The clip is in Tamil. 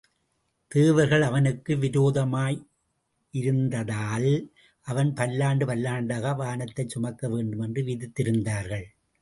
தேவர்கள் அவனுக்கு விரோதமாயிருந்ததால், அவன் பல்லாண்டு பல்லாண்டாக வானத்தைச் சுமக்க வேண்டுமென்று விதித்திருந்தார்கள்.